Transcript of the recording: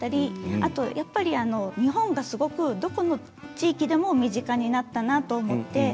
あとは日本がすごくどこの地域でも身近になったなと思って。